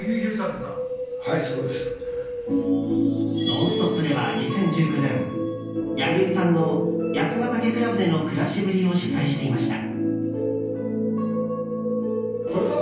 「ノンストップ！」では２０１９年柳生さんの八ヶ岳倶楽部での暮らしぶりを取材していました。